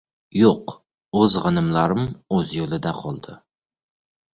Yo‘q, o‘z g‘animlarim o‘z yo‘lida qoldi.